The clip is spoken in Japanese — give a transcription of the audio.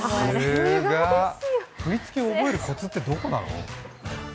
さすが、振り付け覚えるコツってどこなの？